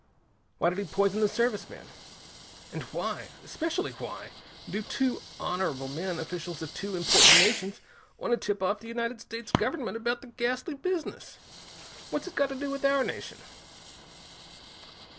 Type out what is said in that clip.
Why did he poison the Service men? And why especially why do two honorable men, officials of two important nations, want to tip off the United States Government about the ghastly business? What's it got to do with our nation?"